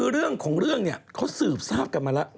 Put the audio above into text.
เรื่องของเรื่องเนี่ยเขาสืบทราบกันมาแล้ว